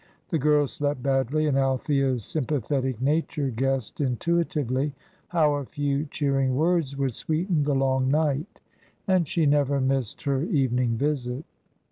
The girl slept badly, and Althea's sympathetic nature guessed intuitively how a few cheering words would sweeten the long night; and she never missed her evening visit.